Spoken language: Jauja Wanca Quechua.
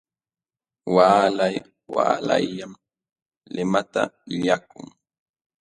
Waalay waalayllam limata illakun.